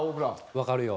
わかるよ。